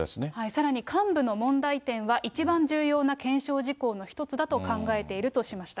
さらに幹部の問題点は、一番重要な検証事項の一つだと考えているとしました。